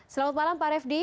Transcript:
selamat malam pak refdi